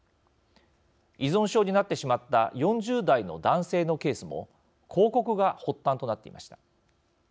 依存症になってしまった４０代の男性のケースも広告が発端となっていました。